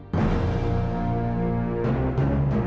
tuhan aku akan menangkanmu